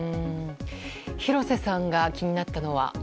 廣瀬さんが気になったのは？